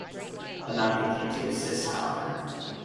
The mound contained two cists, however.